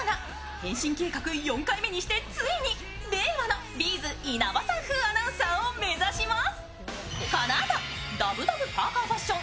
変身計画４回目にしてついに令和のＢ’ｚ稲葉さん風アナウンサーを目指します。